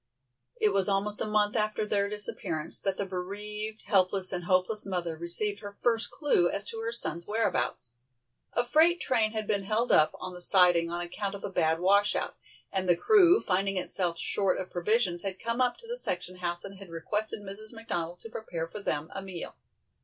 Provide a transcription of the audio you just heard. It was almost a month after their disappearance that the bereaved, helpless and hopeless mother received her first clue as to her sons whereabouts. A freight train had been held up on the siding on account of a bad washout, and the crew, finding itself short of provisions had come up to the section house and had requested Mrs. McDonald to prepare for them a meal.